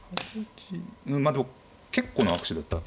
まあでも結構な悪手だった？